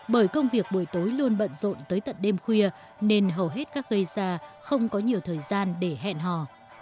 bởi công việc buổi tối luôn bận rộn tới tận đêm khuya nên hầu hết các gây ra không có nhiều thời gian để hẹn hò